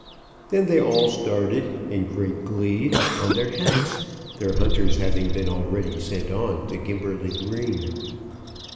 Then they all started, in great glee, on their hacks, their hunters having been already sent on to Gimberley Green.